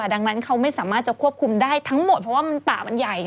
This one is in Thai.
ได้ทั้งหมดเพราะว่ามันป่ามันใหญ่